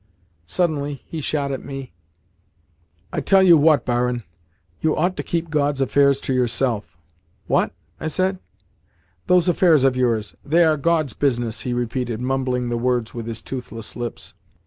Suddenly he shot at me: "I tell you what, barin. You ought to keep God's affairs to yourself." "What?" I said. "Those affairs of yours they are God's business," he repeated, mumbling the words with his toothless lips.